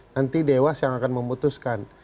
nanti dewas yang akan memutuskan